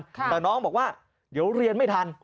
แต่น้องบอกว่าเดี๋ยวเรียนไม่ทัน